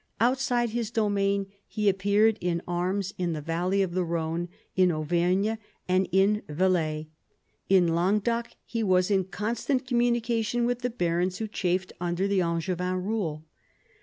Outside his domain he appeared in arms in the valley of the Ehone, in Auvergne, and in Velay. In Languedoc he was in constant communication with the barons who chafed under the Angevin rule.